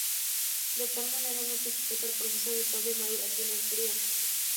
De tal manera, no está sujeta al proceso habitual de maduración en frío.